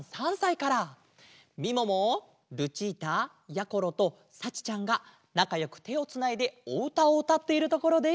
みももルチータやころとさちちゃんがなかよくてをつないでおうたをうたっているところです。